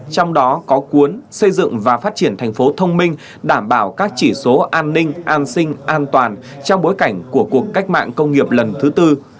trong đó có cuốn xây dựng và phát triển thành phố thông minh đảm bảo các chỉ số an ninh an sinh an toàn trong bối cảnh của cuộc cách mạng công nghiệp lần thứ tư